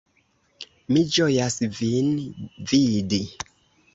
Mi ĝojas vin vidi!